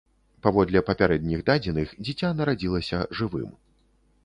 Паводле папярэдніх дадзеных, дзіця нарадзілася жывым.